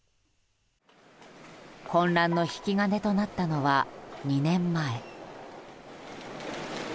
混乱の引き金となったのは２年前。